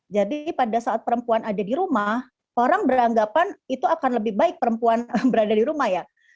jadi pada saat perempuan ada di rumah orang beranggapan itu akan lebih baik perempuan berada di rumah ya